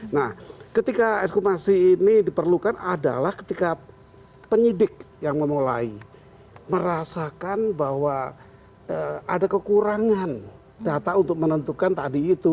nah ketika ekshumasi ini diperlukan adalah ketika penyidik yang memulai merasakan bahwa ada kekurangan data untuk menentukan tadi itu